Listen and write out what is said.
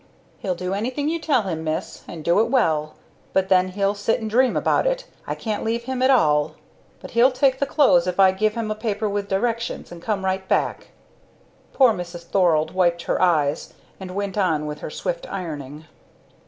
"He'll do anything you tell him, Miss, and do it well; but then he'll sit and dream about it I can't leave him at all. But he'll take the clothes if I give him a paper with directions, and come right back." Poor Mrs. Thorald wiped her eyes, and went on with her swift ironing.